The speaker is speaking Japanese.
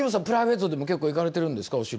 プライベートでも結構行かれてるんですか？